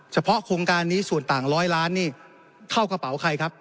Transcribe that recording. โครงการนี้ส่วนต่างร้อยล้านนี่เข้ากระเป๋าใครครับ